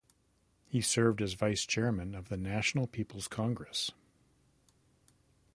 He served as Vice Chairman of the National People's Congress.